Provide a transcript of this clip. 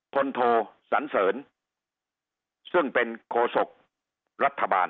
โทสันเสริญซึ่งเป็นโคศกรัฐบาล